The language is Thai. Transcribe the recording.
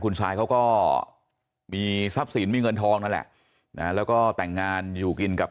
คุณซายเขาก็มีทรัพย์สินมีเงินทองนั่นแหละนะแล้วก็แต่งงานอยู่กินกับ